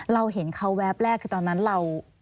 เราเห็นเขาแวบแรกคือตอนนั้นเรา